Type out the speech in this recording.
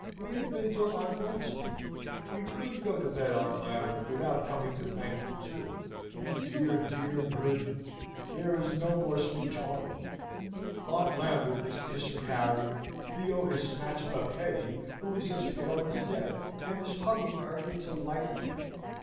"We have been to Aunt Bernstein. We couldn't go to bed, Aunt Lambert, without coming to thank you too. You dear, dear, good " There is no more speech audible. Aunt Lambert is kissing Harry, Theo has snatched up Hetty who is as pale as death, and is hugging her into life again.